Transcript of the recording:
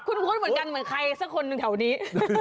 คุณพุทธเหมือนใครสักคนถึงแถวนี้